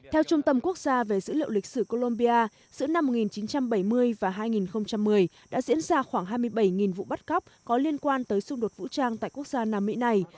theo trung tâm quốc gia về dữ liệu lịch sử colombia giữa năm một nghìn chín trăm bảy mươi và hai nghìn một mươi đã diễn ra khoảng hai mươi bảy vụ bắt cóc có liên quan tới xung đột vũ trang tại quốc gia nam mỹ này